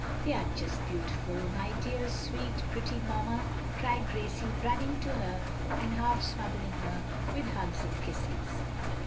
"They are just beautiful, my dear, sweet, pretty mamma," cried Gracie, running to her and half smothering her with hugs and kisses.